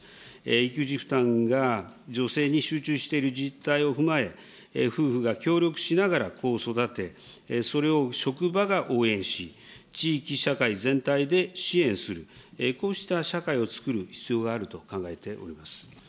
育児負担が女性に集中している実態を踏まえ、夫婦が協力しながら子を育て、それを職場が応援し、地域社会全体で支援する、こうした社会をつくる必要があると考えております。